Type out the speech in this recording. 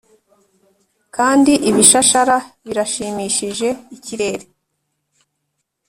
kandi ibishashara birashimishije ikirere,